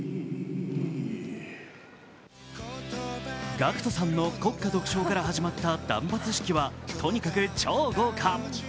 ＧＡＣＫＴさんの国歌独唱から始まった断髪式はとにかく超豪華。